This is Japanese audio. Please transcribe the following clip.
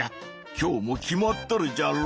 今日もキマっとるじゃろ？